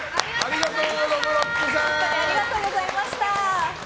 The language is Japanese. お二人ありがとうございました。